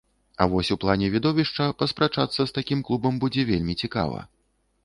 А вось у плане відовішча паспрачацца з такім клубам будзе вельмі цікава.